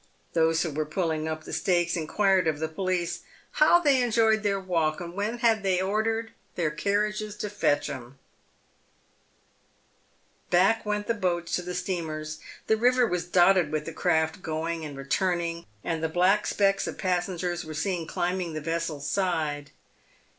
Those who were pulling up the stakes inquired of the police " How they enjoyed their walk, and when they had ordered their carriages to fetch 'em ?" Back went the boats to the steamers, the river was dotted with the craft going and returning, and the black specks of passengers were seen climbing the vessel's side.